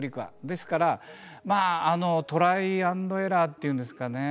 ですからトライアンドエラーっていうんですかね